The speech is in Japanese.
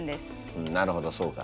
うんなるほどそうか。